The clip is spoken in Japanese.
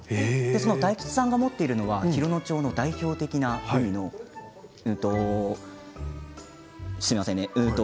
大吉さんが持っているのは洋野町の代表的なウニのすみません。